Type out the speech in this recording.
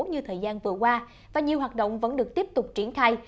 như thời gian vừa qua và nhiều hoạt động vẫn được tiếp tục triển khai